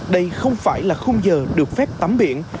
đây không phải là khung giờ được phép tắm biển